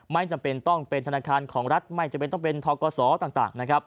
ไม่จำเป็นต้องเป็นธนาคารของรัฐไม่จำเป็นต้องเป็นทกศต่างนะครับ